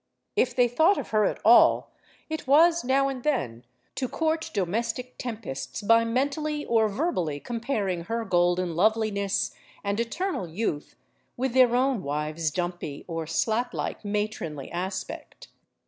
If they thought of her at all, it was, now and then, to court domestic tempests by mentally or verbally comparing her golden loveliness and eternal youth with their own wives* dumpy, or slatlike, matronly aspect.